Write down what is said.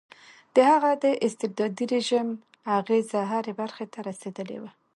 د هغه د استبدادي رژیم اغېزه هرې برخې ته رسېدلې وه.